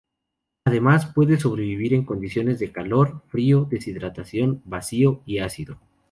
Además, puede sobrevivir en condiciones de calor, frío, deshidratación, vacío y ácido.